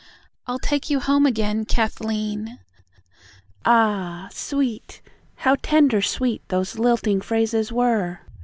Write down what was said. "I'll take you home again, Kathleen." Ah, sweet, How tender sweet those lilting phrases were!